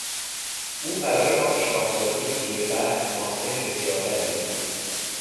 او برای آن شاهزادهی تیره بخت ناصح بسیار بدی بود.